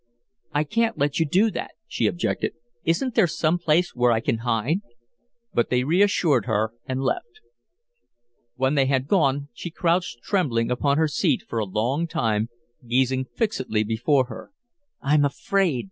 "I can't let you do that," she objected. "Isn't there some place where I can hide?" But they reassured her and left. When they had gone, she crouched trembling upon her seat for a long time, gazing fixedly before her. "I'm afraid!"